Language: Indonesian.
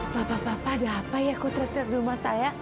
bapak bapak ada apa ya kayak quarter trier di rumah saya